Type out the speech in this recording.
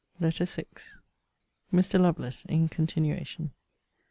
LETTER VI MR. LOVELACE [IN CONTINUATION.